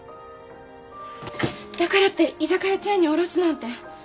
だからって居酒屋チェーンに卸すなんて。